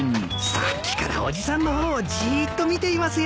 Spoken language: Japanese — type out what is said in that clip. さっきから伯父さんの方をじっと見ていますよ。